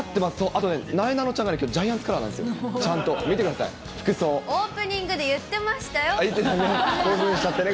あとね、なえなのちゃんがきょう、ジャイアンツカラーなんですよ、ちゃんオープニングで言ってましたよね。